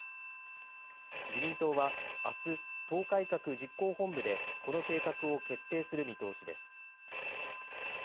自民党はあす党改革実行本部でこの計画を決定する見通しです。